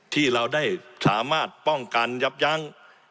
ที่เราได้สามารถป้องกันยับยั้ง